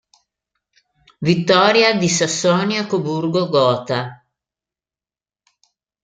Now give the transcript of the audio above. Vittoria di Sassonia-Coburgo-Gotha